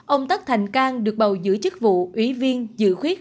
ông tất thành cang được bầu giữ chức vụ ủy viên dự khuyết